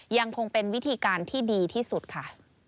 ยังคงเป็นวิธีการที่ดีที่สุดค่ะ